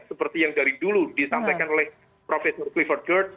seperti yang dari dulu disampaikan oleh profesor clifford gerd